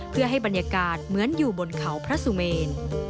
เพื่อให้บรรยากาศเหมือนอยู่บนเขาพระสุเมน